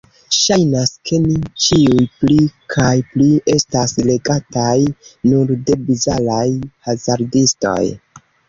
Ŝajnas, ke ni ĉiuj pli kaj pli estas regataj nur de bizaraj hazardistoj.